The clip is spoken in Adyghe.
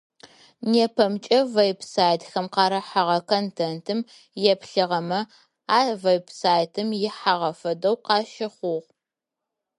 Нэпэмыкӏ веб-сайтхэм къарыхыгъэ контентым еплъыгъэм а веб-сайтым ихьагъэ фэдэу къызщегъэхъу.